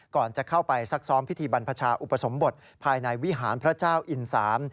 ก่อนจะเข้าไปซักซ้อมพิธีบรรพชาอุปสมบทภายในวิหารพระเจ้าอินสาม